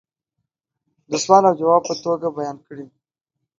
دسوال او جواب په توگه بیان کړي دي